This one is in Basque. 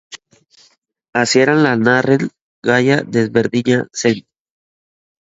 Hasieran lanaren gaia desberdina zen.